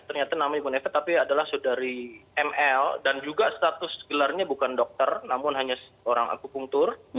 ternyata namanya pun efek tapi adalah saudari ml dan juga status gelarnya bukan dokter namun hanya seorang akupunktur